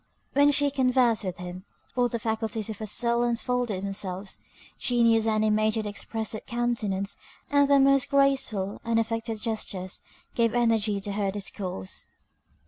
When she conversed with him, all the faculties of her soul unfolded themselves; genius animated her expressive countenance and the most graceful, unaffected gestures gave energy to her discourse.